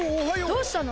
どうしたの？